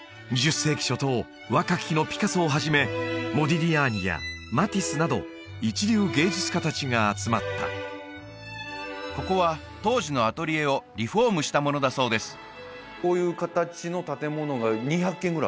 ２０世紀初頭若き日のピカソをはじめモディリアーニやマティスなど一流芸術家達が集まったここは当時のアトリエをリフォームしたものだそうです